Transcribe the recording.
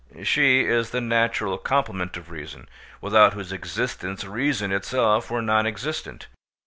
She is the natural complement of reason, without whose existence reason itself were non existent.